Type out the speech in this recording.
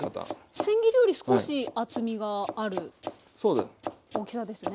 せん切りより少し厚みがある大きさですね。